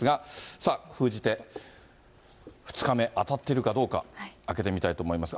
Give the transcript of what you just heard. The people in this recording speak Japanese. さあ、封じ手、２日目、当たっているかどうか開けてみたいと思いますが。